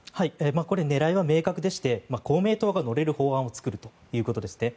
これ、狙いは明確でして公明党が乗れる法案を作るということです。